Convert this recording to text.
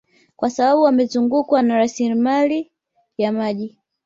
Kwa sababu wamezungukwa na rasilimali ya maji